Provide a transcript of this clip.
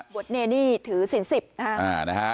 บวชเนรี่ถือสินสิบนะฮะ